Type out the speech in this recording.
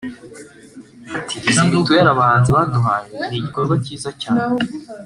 Ati “Izi mituelle abahanzi baduhaye ni igikorwa cyiza cyane